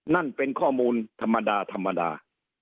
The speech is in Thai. นั่นเป็นข้อมูลธรรมดา